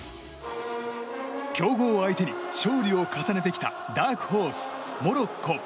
強豪相手に勝利を重ねてきたダークホース、モロッコ。